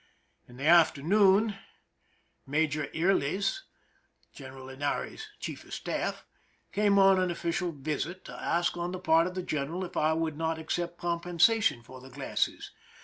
In the afternoon Major Yrles, General Linares's chief of staff, came on an official visit, to ask on the part of the general if I would not accept compensation for the glasses.